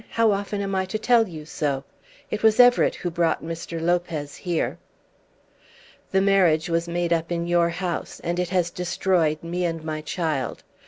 How often am I to tell you so? It was Everett who brought Mr. Lopez here." "The marriage was made up in your house, and it has destroyed me and my child.